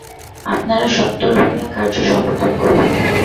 আপনারা সত্বর হইয়া কার্য সম্পাদন করুন।